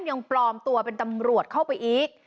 ยังปลอมตัวเป็นตำรวจเข้าไปอีก